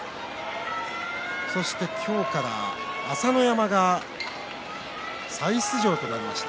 そして今日から朝乃山が再出場となりました。